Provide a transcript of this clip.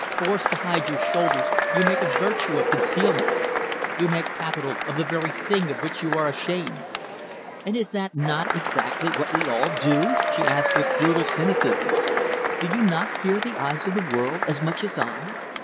Forced to hide your shoulders, you make a virtue of concealment. You make capital of the very thing of which you are ashamed." "And is not that exactly what we all do?" she asked with brutal cynicism. "Do you not fear the eyes of the world as much as I?